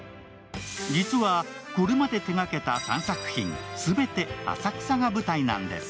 実は、これまで手がけた３作品全て、浅草が舞台なんです。